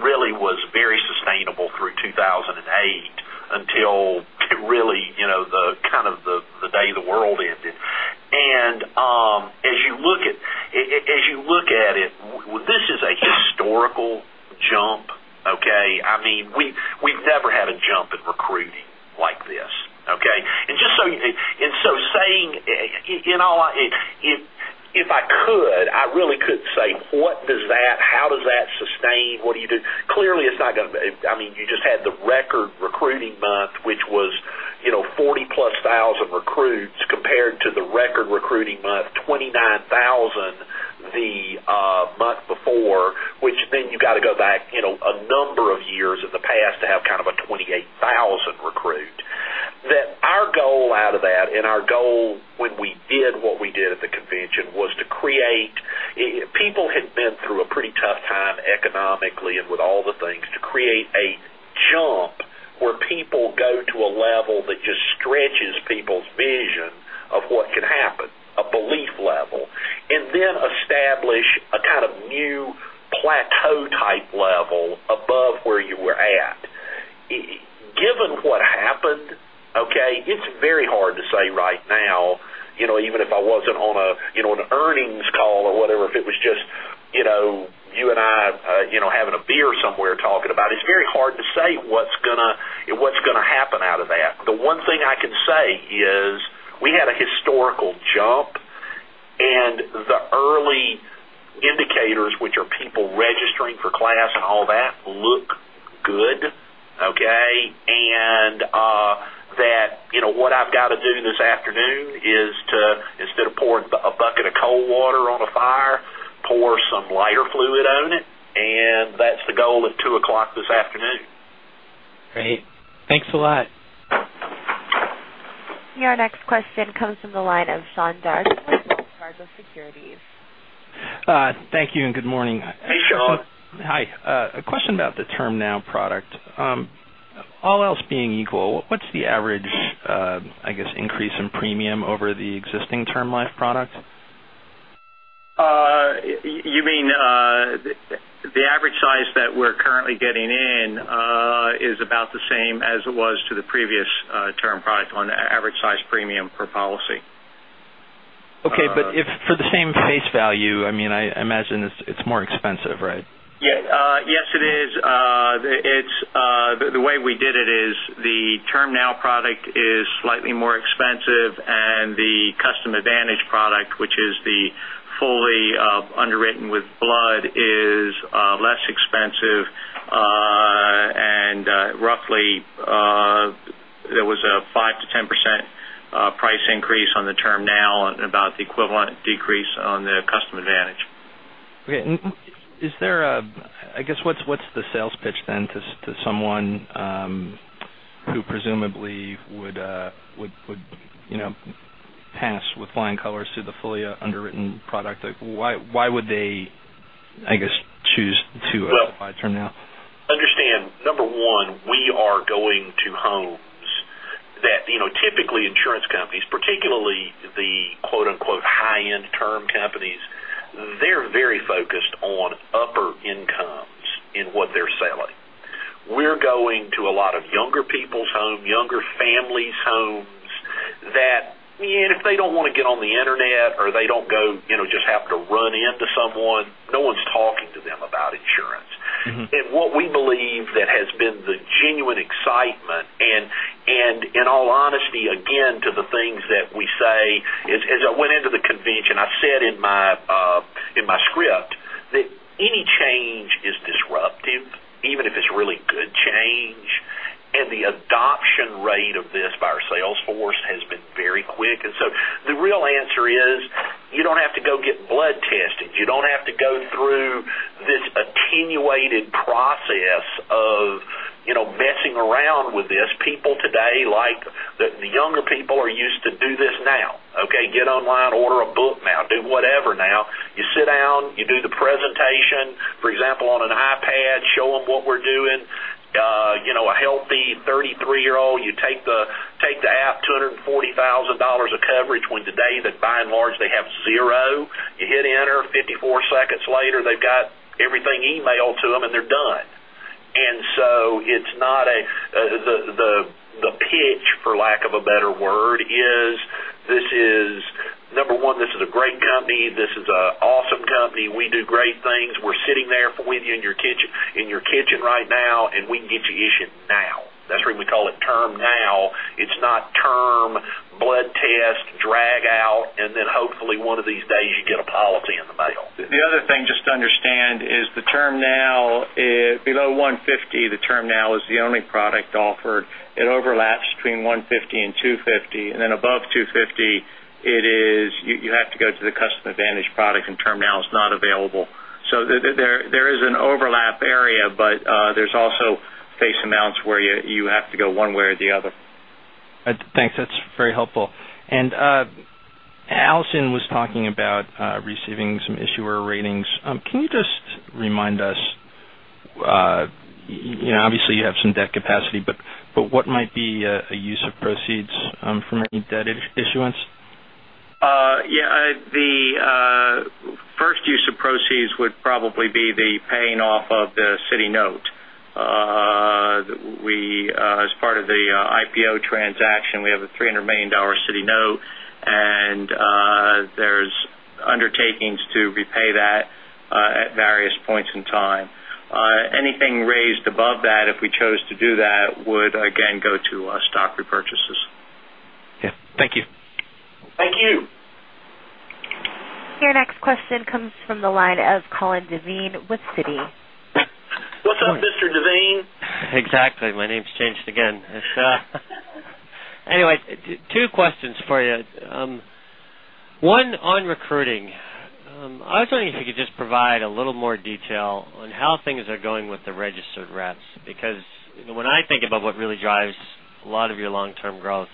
D: really was very sustainable through 2008 until really the kind of the day the world ended. As you look at it, this is a historical jump, okay? We've never had a jump in recruiting like this, okay? If I could, I really couldn't say, how does that sustain? What do you do? Clearly, you just had the record recruiting month, which was 40-plus thousand recruits compared to the record recruiting month, 29,000 the month before, which you got to go back a number of years in the past to have kind of a 28,000 recruit. Our goal out of that and our goal when we did what we did at the convention was to create. People had been through a pretty tough time economically and with all the things, to create a jump where people go to a level that just stretches people's vision of what can happen, a belief level, and then establish a kind of new plateau type level above where you were at. Given what happened, okay, it's very hard to say right now, even if I wasn't on an earnings call or whatever, if it was just you and I having a beer somewhere talking about it's very hard to say what's going to happen out of that. The one thing I can say is we had a historical jump, and the early indicators, which are people registering for class and all that, look good, okay? What I've got to do this afternoon is to, instead of pouring a bucket of cold water on a fire, pour some lighter fluid on it, and that's the goal at 2:00 this afternoon.
I: Great. Thanks a lot.
A: Your next question comes from the line of Sean Dargan with Wells Fargo Securities.
J: Thank you and good morning.
D: Hey, Sean.
J: Hi. A question about the TermNow product. All else being equal, what's the average, I guess, increase in premium over the existing term life product?
E: You mean, the average size that we're currently getting in is about the same as it was to the previous term product on average size premium per policy.
J: Okay, for the same face value, I imagine it's more expensive, right?
C: Yes, it is. The way we did it is the TermNow product is slightly more expensive, and the Custom Advantage product, which is the fully underwritten with blood, is less expensive. Roughly, there was a 5%-10% price increase on the TermNow and about the equivalent decrease on the Custom Advantage.
J: Okay. I guess, what's the sales pitch then to someone who presumably would pass with flying colors through the fully underwritten product? Why would they, I guess, choose to buy TermNow?
D: Well, understand, number one, we are going to homes that typically insurance companies, particularly the "high-end term companies," they're very focused on upper incomes in what they're selling. We're going to a lot of younger people's home, younger families' homes that, and if they don't want to get on the internet or they don't go, just have to run into someone, no one's talking to them about insurance. What we believe that has been the genuine excitement and, in all honesty, again, to the things that we say is, as I went into the convention, I said in my script that any change is disruptive, even if it's really good change. The adoption rate of this by our sales force has been very quick. The real answer is you don't have to go get blood tested. You don't have to go through this attenuated process of messing around with this. People today, the younger people are used to do this now. Okay, get online, order a book now, do whatever now. You sit down, you do the presentation, for example, on an iPad, show them what we're doing. A healthy 33-year-old, you take the app, $240,000 of coverage when today they by and large, they have zero. You hit enter, 54 seconds later, they've got everything emailed to them, and they're done. The pitch, for lack of a better word, is, number 1, this is a great company. This is an awesome company. We do great things. We're sitting there with you in your kitchen right now, and we can get you issued now. That's why we call it TermNow. It's not term, blood test, drag out, and then hopefully one of these days you get a policy in the mail.
C: The other thing just to understand is below 150, the TermNow is the only product offered. It overlaps between 150 and 250, and then above 250, you have to go to the Custom Advantage product, and TermNow is not available. There is an overlap area, but there's also face amounts where you have to go one way or the other.
J: Thanks. That's very helpful. Alison was talking about receiving some issuer ratings. Can you just remind us, obviously, you have some debt capacity, but what might be a use of proceeds from any debt issuance?
C: Yeah. The first use of proceeds would probably be the paying off of the Citi note. As part of the IPO transaction, we have a $300 million Citi note, and there's undertakings to repay that at various points in time. Anything raised above that, if we chose to do that, would again go to stock repurchases.
J: Yeah. Thank you.
D: Thank you.
A: Your next question comes from the line of Colin Devine with Citi.
D: What's up, Mr. Devine?
K: Exactly. My name's changed again. Anyway, two questions for you. One, on recruiting. I was wondering if you could just provide a little more detail on how things are going with the registered reps, because when I think about what really drives a lot of your long-term growth,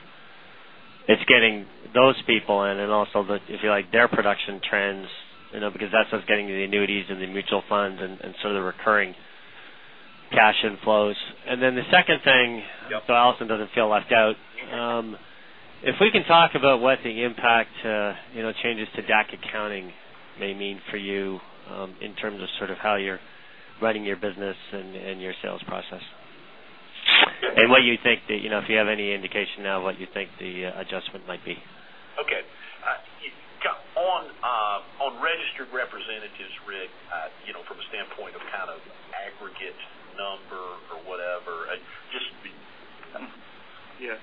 K: it's getting those people in and also if you like their production trends, because that's what's getting you the annuities and the mutual funds and some of the recurring cash inflows. Then the second thing.
D: Yep.
K: Alison doesn't feel left out. If we can talk about what the impact changes to DAC accounting may mean for you in terms of how you're running your business and your sales process. What you think the, if you have any indication now, what you think the adjustment might be.
D: Okay. On registered representatives, Rick, from a standpoint of aggregate number or whatever, just be.
C: Yeah.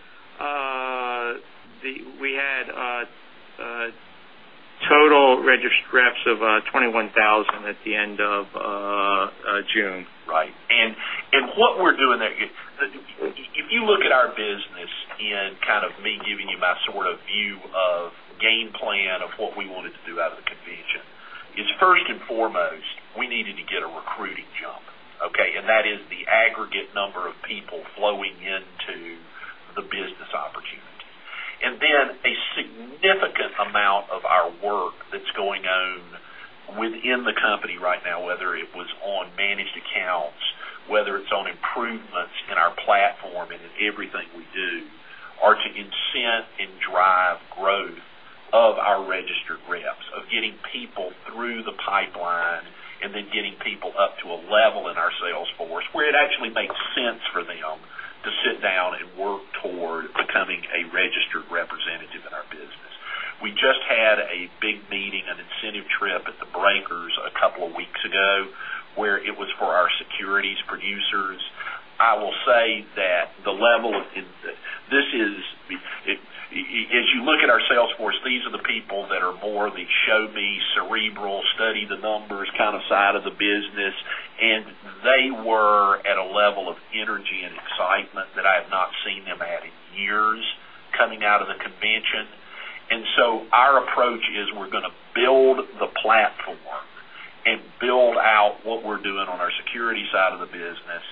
C: We had total registered reps of 21,000 at the end of June.
D: Right. What we're doing there, if you look at our business and me giving you my view of game plan of what we wanted to do out of the convention, is first and foremost, we needed to get a recruiting jump, okay? That is the aggregate number of people flowing into the business opportunities. A significant amount of our work that's going on within the company right now, whether it was on managed accounts, whether it's on improvements in our platform and in everything we do, are to incent and drive growth of our registered reps, of getting people through the pipeline and then getting people up to a level in our sales force where it actually makes sense for them to sit down and work toward becoming a registered representative in our business. We just had a big meeting, an incentive trip at The Breakers a couple of weeks ago, where it was for our securities producers. I will say that the level as you look at our sales force, these are the people that are more the show me, cerebral, study the numbers kind of side of the business. They were at a level of energy and excitement that I have not seen them at in years coming out of the convention. Our approach is we're going to build the platform and build out what we're doing on our security side of the business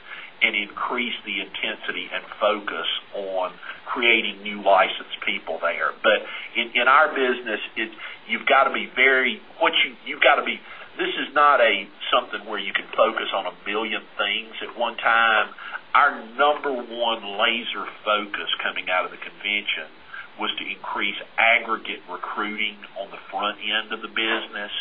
D: and increase the intensity and focus on creating new licensed people there. In our business, this is not something where you can focus on a billion things at one time. Our number 1 laser focus coming out of the convention was to increase aggregate recruiting on the front end of the business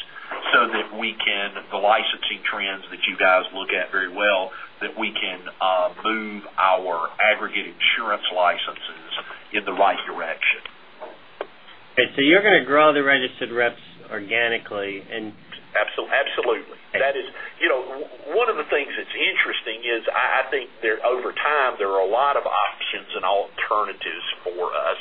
D: so that the licensing trends that you guys look at very well, that we can move our aggregate insurance licenses in the right direction.
K: Okay, you're going to grow the registered reps organically.
D: Absolutely.
K: Okay.
D: One of the things that's interesting is I think that over time, there are a lot of options and alternatives for us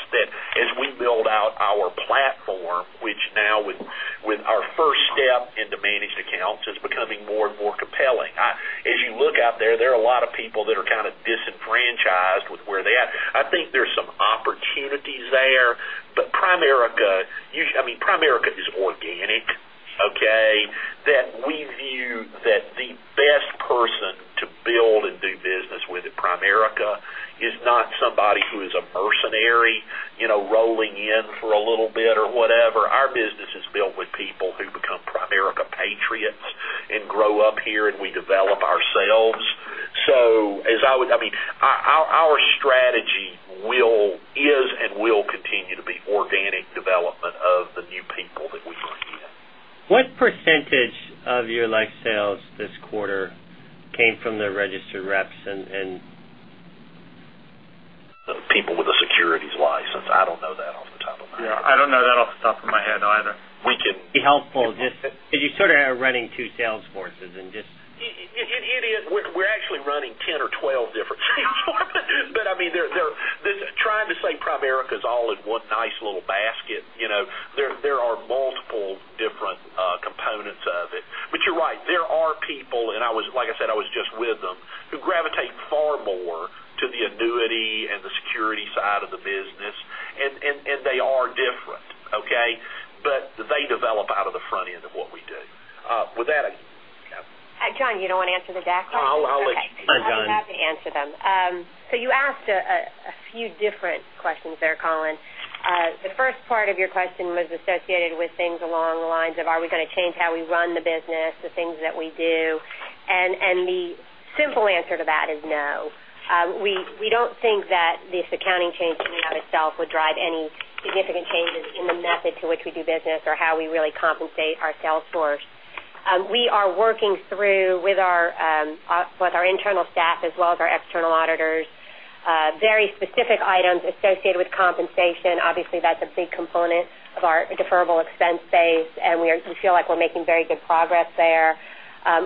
E: of our deferral expense base, and we feel like we're making very good progress there.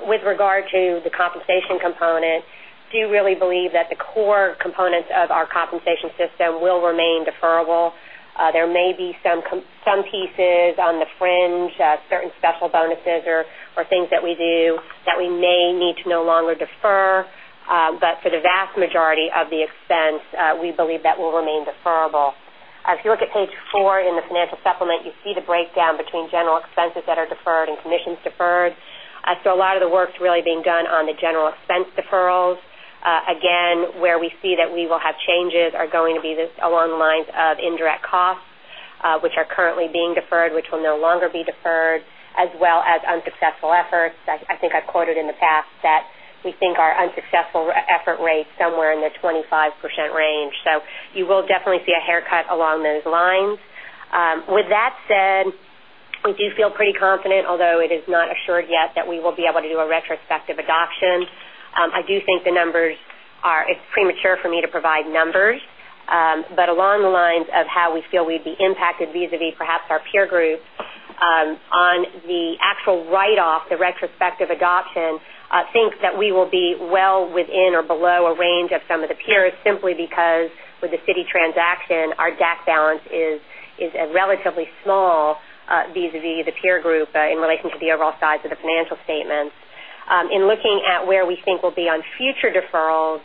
E: With regard to the compensation component, do you really believe that the core components of our compensation system will remain deferrable? There may be some pieces on the fringe, certain special bonuses or things that we do that we may need to no longer defer. For the vast majority of the expense, we believe that will remain deferrable. If you look at page four in the financial supplement, you see the breakdown between general expenses that are deferred and commissions deferred. A lot of the work's really being done on the general expense deferrals. Again, where we see that we will have changes are going to be along the lines of indirect costs, which are currently being deferred, which will no longer be deferred, as well as unsuccessful efforts. I think I've quoted in the past that we think our unsuccessful effort rate somewhere in the 25% range. You will definitely see a haircut along those lines. With that said, we do feel pretty confident, although it is not assured yet, that we will be able to do a retrospective adoption. I do think it's premature for me to provide numbers. Along the lines of how we feel we'd be impacted vis-a-vis perhaps our peer group, on the actual write-off, the retrospective adoption, I think that we will be well within or below a range of some of the peers, simply because with the Citi transaction, our DAC balance is relatively small vis-a-vis the peer group in relation to the overall size of the financial statements. In looking at where we think we'll be on future deferrals,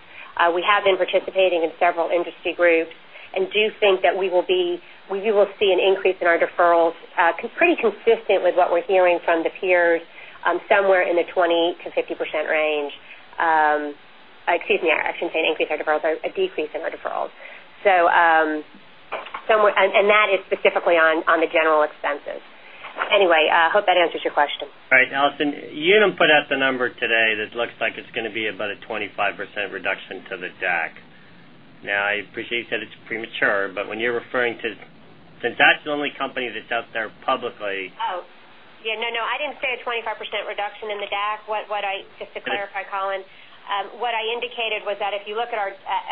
E: we have been participating in several industry groups and do think that you will see an increase in our deferrals pretty consistent with what we're hearing from the peers, somewhere in the 20%-50% range. Excuse me, I shouldn't say an increase in our deferrals, a decrease in our deferrals. That is specifically on the general expenses. Anyway, hope that answers your question.
K: Right. Alison, you haven't put out the number today. This looks like it's going to be about a 25% reduction to the DAC. I appreciate you said it's premature, but when you're referring to, since that's the only company that's out there publicly.
E: I didn't say a 25% reduction in the DAC. Just to clarify, Colin, what I indicated was that if you look at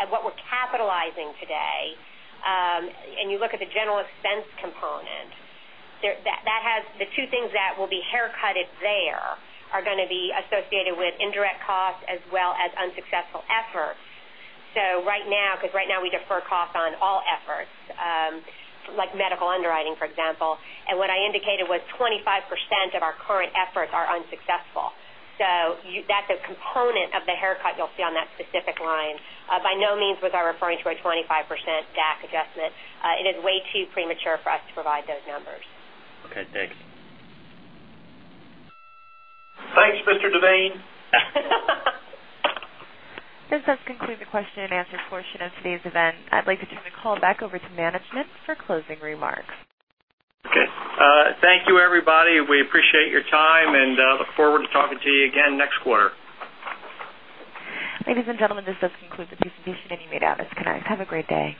E: what we're capitalizing today, and you look at the general expense component, the two things that will be haircutted there are going to be associated with indirect costs as well as unsuccessful efforts. Right now, because right now we defer costs on all efforts, like medical underwriting, for example. What I indicated was 25% of our current efforts are unsuccessful. That's a component of the haircut you'll see on that specific line. By no means was I referring to a 25% DAC adjustment. It is way too premature for us to provide those numbers.
K: Okay, thanks.
D: Thanks, Mr. Devine.
A: This does conclude the question and answer portion of today's event. I'd like to turn the call back over to management for closing remarks.
D: Okay. Thank you, everybody. We appreciate your time and look forward to talking to you again next quarter.
A: Ladies and gentlemen, this does conclude the presentation. You may disconnect. Have a great day.